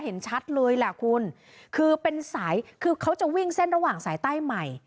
เห็นชัดเลยแหละคุณคือเป็นสายคือเขาจะวิ่งเส้นระหว่างสายใต้ใหม่